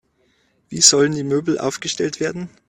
Wie sollen die Möbel aufgestellt werden?